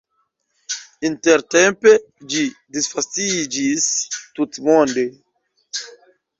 Intertempe ĝi disvastiĝis tutmonde.